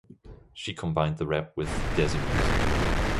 She combined the rap with desi music.